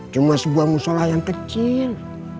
cuma sebuah musola yang kecil